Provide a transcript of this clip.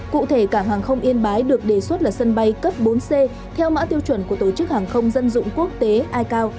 cụ thể cảng hàng không yên bái được đề xuất là sân bay cấp bốn c theo mã tiêu chuẩn của tổ chức hàng không dân dụng quốc tế icao